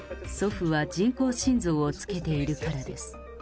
祖父は人工心臓をつけているからです。